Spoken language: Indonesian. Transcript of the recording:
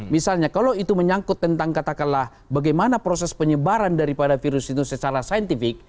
misalnya kalau itu menyangkut tentang katakanlah bagaimana proses penyebaran daripada virus itu secara saintifik